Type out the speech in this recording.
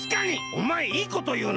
おまえいいこというな。